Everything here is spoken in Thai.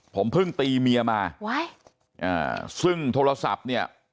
ผมเพิ่งตีเมียมาว้ายอ่าซึ่งโทรศัพท์เนี่ย